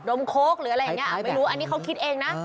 มโค้กหรืออะไรอย่างนี้ไม่รู้อันนี้เขาคิดเองนะ